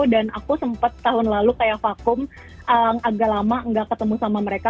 dan aku sempet tahun lalu kayak vakum agak lama gak ketemu sama mereka